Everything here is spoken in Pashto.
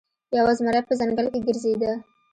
یو زمری په ځنګل کې ګرځیده.